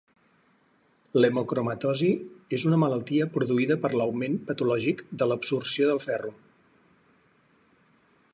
L'hemocromatosi és una malaltia produïda per l'augment patològic de l'absorció del ferro.